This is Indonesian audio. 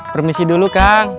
permisi dulu kang